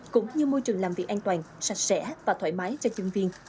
cũng như môi trường làm việc an toàn sạch sẽ và thoải mái cho nhân viên